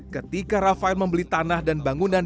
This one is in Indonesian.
ketika rafael membeli tanah dan bangunan